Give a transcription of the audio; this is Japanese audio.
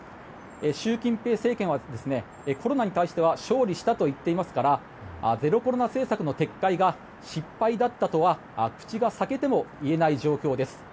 習近平政権は、コロナに対しては勝利したと言っていますからゼロコロナ政策の撤回が失敗だったとは口が裂けても言えない状況です。